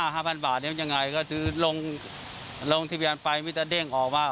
ห้าพันบาทเนี้ยมันยังไงก็คือลงลงทะเบียนไปมีแต่เด้งออกว่า